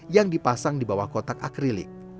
yang dipasang di bawah kotak akrilik